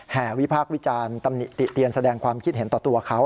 วิพากษ์วิจารณ์ตำหนิติเตียนแสดงความคิดเห็นต่อตัวเขา